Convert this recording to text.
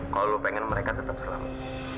kalo lu pengen mereka tetep selamat